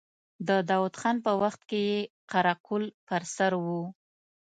د داود خان په وخت کې يې قره قل پر سر و.